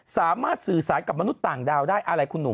สามารถสื่อสารกับมนุษย์ต่างดาวได้อะไรคุณหนุ่ม